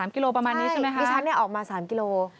๓กิโลบาทประมาณนี้ใช่ไหมคะใช่คุณชั้นออกมา๓กิโลกรัม